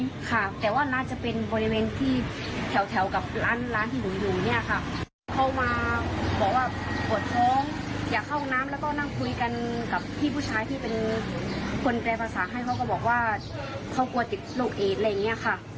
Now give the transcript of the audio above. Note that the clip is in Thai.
อยากเข้าน้ำแล้วก็นั่งคุยกันกับพี่ผู้ชายที่เป็นคนแกร่ประสานให้เขาก็บอกว่าเขากลัวจิตโรคเอดอะไรอย่างเงี้ยค่ะ